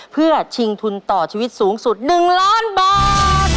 เพื่อชิงทุนต่อชีวิตสูงสุด๑ล้านบาท